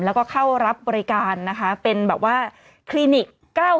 แล้วก็เข้ารับบริการเป็นแบบว่าคลินิค๙แห่ง